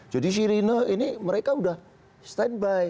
jadi syirino ini mereka sudah standby